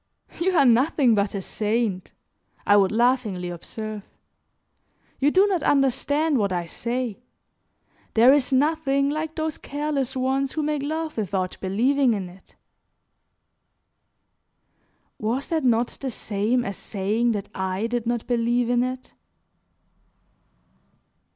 "You are nothing but a saint," I would laughingly observe; "you do not understand what I say. There is nothing like those careless ones who make love without believing in it." Was that not the same as saying that I did not believe in it?